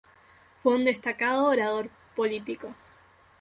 Fue un destacado orador político.